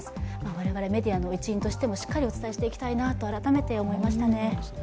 我々メディアの一員としてもしっかりとお伝えしていきたいなと改めて思いましたね。